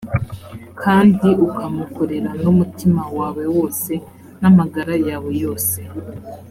kandi ukamukorera n’umutima wawe wose, n’amagara yawe yose,